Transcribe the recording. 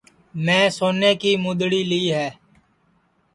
میں سونے کی مُدؔڑی لی ہے